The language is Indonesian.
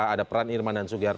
ada peran irman dan sugiharto